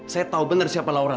saya tahu benar siapa laura